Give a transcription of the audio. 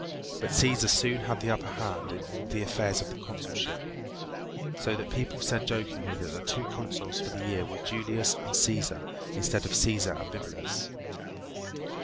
But Cæsar soon had the upper hand in all the affairs of the consulship, so that the people said jokingly that the two consuls for the year were Julius and Cæsar, instead of Cæsar and Bibulus.